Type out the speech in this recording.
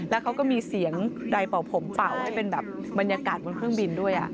แล้วเขาก็มีเสียงใดเป่าผมเป่าให้เป็นแบบบรรยากาศบนเครื่องบินด้วย